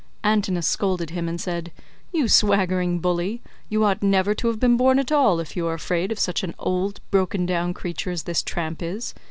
Antinous scolded him and said, "You swaggering bully, you ought never to have been born at all if you are afraid of such an old broken down creature as this tramp is.